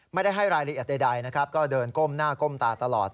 ไม่ได้ให้รายลิขใดก็เดินก้มหน้าก้มตาตลอด